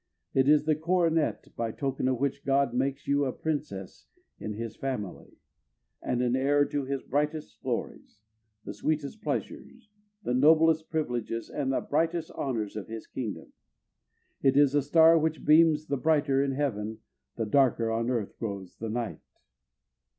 It is the coronet by token of which God makes you a princess in his family and an heir to his brightest glories, the sweetest pleasures, the noblest privileges, and the brightest honors of his kingdom. It is a star which beams the brighter in heaven the darker on earth grows the night.